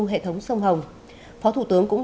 hệ thống sông hồng phó thủ tướng cũng